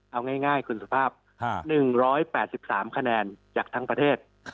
เอาง่ายคุณสุภาพ๑๘๓คะแนนจากทั้งประเทศ